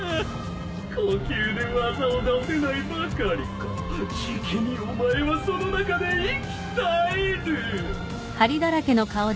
呼吸で技を出せないばかりかじきにお前はその中で息絶える。